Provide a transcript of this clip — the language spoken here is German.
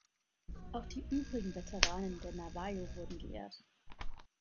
Auch die übrigen Veteranen der Navajo wurden geehrt.